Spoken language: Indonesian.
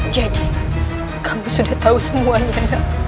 jadi kamu sudah tahu semuanya nanda